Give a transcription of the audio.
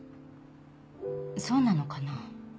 そうなのかな？